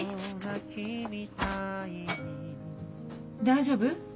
大丈夫？